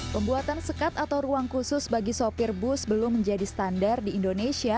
pembuatan sekat atau ruang khusus bagi sopir bus belum menjadi standar di indonesia